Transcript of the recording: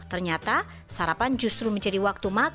ternyata sarapan justru menjadi waktu makan